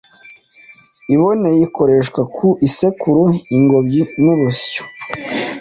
iboneye ikoreshwa ku isekuru, ingobyi n’urusyo.